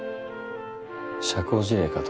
社交辞令かと。